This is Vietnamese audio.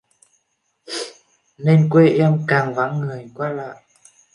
nên quê em càng vắng người qua lại